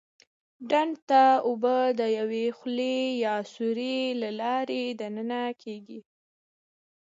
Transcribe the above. ډنډ ته اوبه د یوې خولې یا سوري له لارې دننه کېږي.